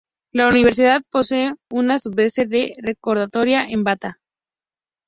La universidad posee una subsede de la rectoría en Bata.